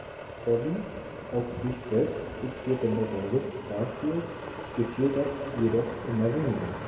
Bobbys auf sich selbst fixierte Mutter Liz Garfield gefiel das jedoch immer weniger.